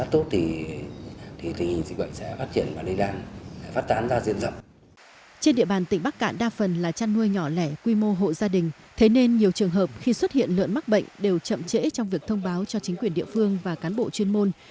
trên địa bàn tỉnh bắc cạn đa phần là chăn nuôi nhỏ lẻ quy mô hộ gia đình thế nên nhiều trường hợp khi xuất hiện lợn mắc bệnh đều chậm trễ trong việc thông báo cho chính quyền địa phương và cán bộ chuyên môn